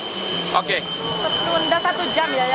oke tertunda satu jam ya ya